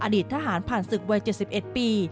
อดีตทหารผ่านศึกวัย๗๑ปี